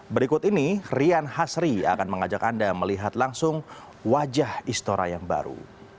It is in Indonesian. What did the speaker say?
berikut ini rian hasri akan mengajak anda melihat langsung wajah istora yang baru